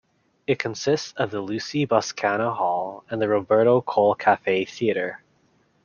It consists of the Lucy Boscana Hall and the Roberto Cole Cafe Theater.